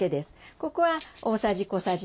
ここは大さじ小さじ。